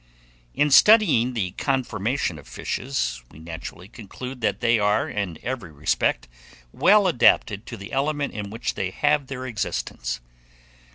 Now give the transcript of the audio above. IN STUDYING THE CONFORMATION OF FISHES, we naturally conclude that they are, in every respect, well adapted to the element in which they have their existence.